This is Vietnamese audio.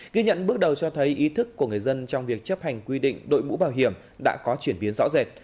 ghi nhận bước đầu cho thấy ý thức của người dân trong việc chấp hành quy định đội mũ bảo hiểm đã có chuyển biến rõ rệt